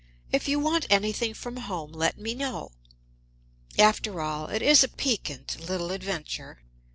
If you want anything from home, let me know. After all, it is a piquant little adventure.